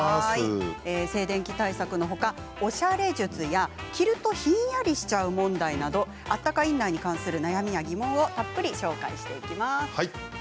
静電気対策のほかおしゃれ術や、着るとひんやりしちゃう問題などあったかインナーに関する悩みや疑問をたっぷりと紹介します。